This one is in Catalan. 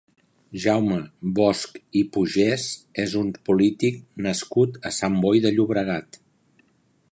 Jaume Bosch i Pugès és un polític nascut a Sant Boi de Llobregat.